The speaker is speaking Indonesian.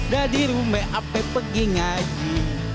dari rumah api pergi ngaji